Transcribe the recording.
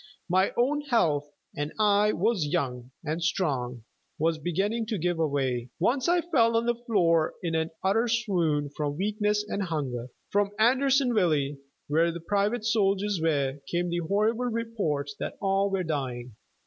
My own health and I was young and strong was beginning to give way. Once I fell on the floor in an utter swoon from weakness and hunger. From Andersonville, where the private soldiers were, came the horrible reports that "all were dying."